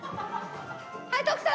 はい徳さん